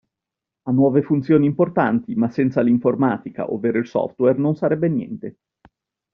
Ha nuove funzioni importanti ma senza l'informatica ovvero il software non sarebbe niente.